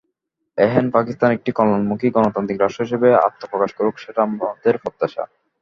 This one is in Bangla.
এহেন পাকিস্তান একটি কল্যাণমুখী গণতান্ত্রিক রাষ্ট্র হিসেবে আত্মপ্রকাশ করুক, সেটা আমাদের প্রত্যাশা।